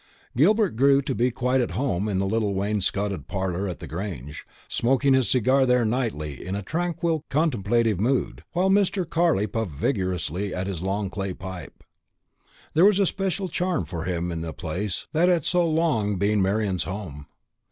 Gilbert grew to be quite at home in the little wainscoted parlour at the Grange, smoking his cigar there nightly in a tranquil contemplative mood, while Mr. Carley puffed vigorously at his long clay pipe. There was a special charm for him in the place that had so long been Marian's home.